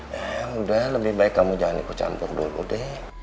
ya udah lebih baik kamu jangan ikut campur dulu deh